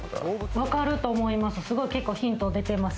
わかると思います。